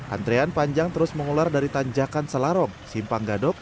antrian panjang terus mengular dari tanjakan selarong simpang gadok